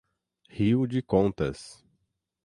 Rio de Contas